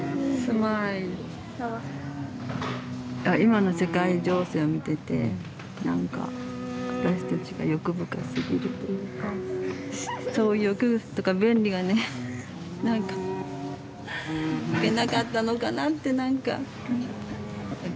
今の世界情勢を見てて何か私たちが欲深すぎるというかそう欲とか便利がね何かいけなかったのかなって何か。